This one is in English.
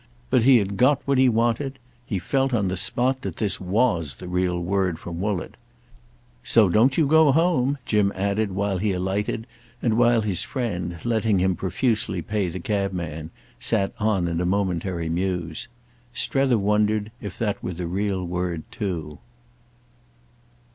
But he had got what he wanted. He felt on the spot that this was the real word from Woollett. "So don't you go home!" Jim added while he alighted and while his friend, letting him profusely pay the cabman, sat on in a momentary muse. Strether wondered if that were the real word too.